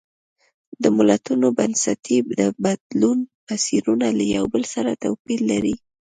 د ملتونو د بنسټي بدلون مسیرونه له یو بل سره توپیر لري.